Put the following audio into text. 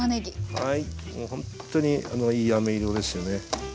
はいもうほんとにいいあめ色ですよね。